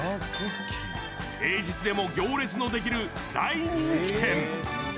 平日でも行列のできる大人気店。